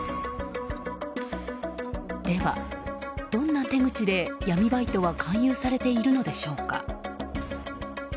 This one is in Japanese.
では、どんな手口で闇バイトは勧誘されているのでしょうか？